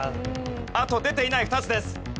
あと出ていない２つです。